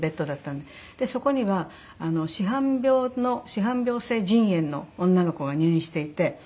そこには紫斑病の紫斑病性腎炎の女の子が入院していて。